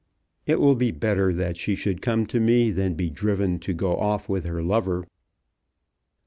It will be better that she should come to me than be driven to go off with her lover."